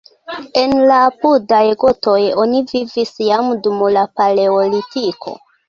En la apudaj grotoj oni vivis jam dum la paleolitiko.